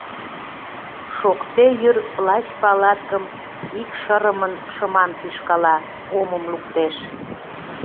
Шокте йӱр плащ-палаткым икшырымын шыман тӱшкала, омым луктеш.